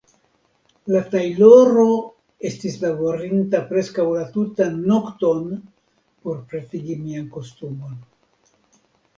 La tajloro estis laborinta preskaŭ la tutan nokton por pretigi mian kostumon.